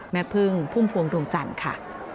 แม่พึ่งพุ่มพวงดวงจันทร์ค่ะ